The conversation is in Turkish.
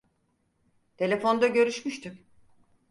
Telefonda görüşmüştük.